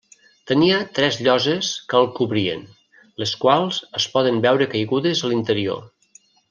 Tenia tres lloses que el cobrien, les quals es poden veure caigudes a l'interior.